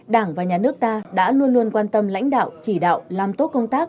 đảng và nhà nước ta đã luôn luôn quan tâm lãnh đạo chỉ đạo làm tốt công tác